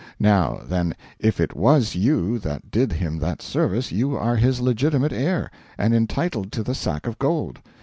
Now, then, if it was you that did him that service, you are his legitimate heir, and entitled to the sack of gold.